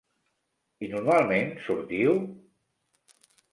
I normalment sortiu?